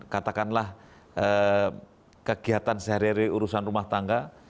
katakanlah kegiatan sehari hari urusan rumah tangga